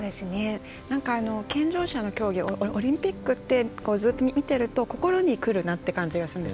健常者の競技オリンピックってずっと見てると心にくるなって感じがするんです。